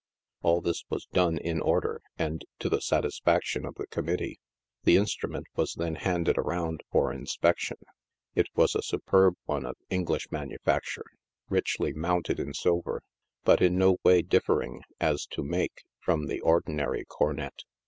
All this was done in order and to the satis faction of the committee. The instrument was then handed around for inspection. It was a superb one of English manufacture, richly mounted in silver, but in no way differing, as to make, from the or dinary cornet.